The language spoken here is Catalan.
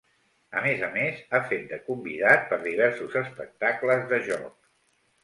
A més a més, ha fet de convidat per diversos espectacles de joc.